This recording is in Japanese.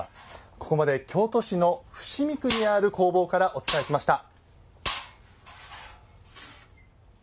ここまで京都市の伏見区にある工房からお伝えしました。